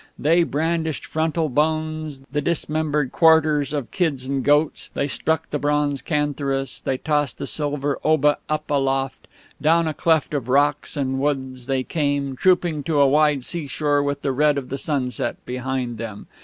They brandished frontal bones, the dismembered quarters of kids and goats; they struck the bronze cantharus, they tossed the silver obba up aloft. Down a cleft of rocks and woods they came, trooping to a wide seashore with the red of the sunset behind them.